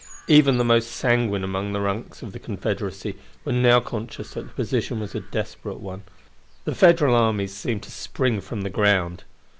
Even the most sanguine among the ranks of the Confederacy were now conscious that the position was a desperate one. The Federal armies seemed to spring from the ground.